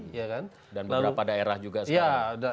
dan beberapa daerah juga sekarang